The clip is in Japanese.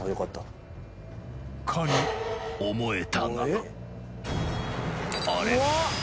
かに思えたがあれ？